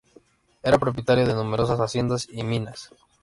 Era propietario de numerosas haciendas y minas.